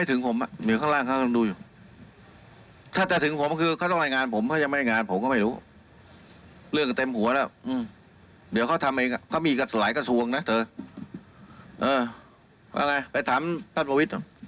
เอาไงไปถามท่านพลเอกประวิทย์